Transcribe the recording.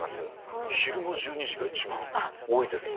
昼の１２時が一番多いですね。